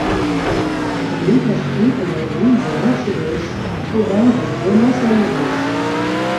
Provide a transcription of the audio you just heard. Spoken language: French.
Elle est construite dans la ville de Mercedes, province de Buenos Aires.